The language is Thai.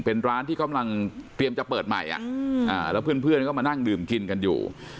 เป็นร้านที่กำลังเตรียมจะเปิดใหม่แล้วเพื่อนก็มานั่งดื่มกินกันอยู่